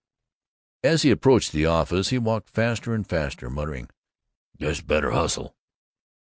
As he approached the office he walked faster and faster, muttering, "Guess better hustle."